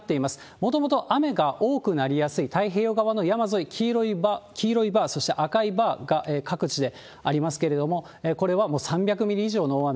もともと雨が多くなりやすい太平洋側の山沿い、黄色いバー、そして赤いバーが各地でありますけれども、これはもう３００ミリ以上の大雨。